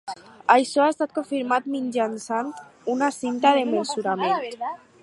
Això ha estat confirmat mitjançant una cinta de mesurament.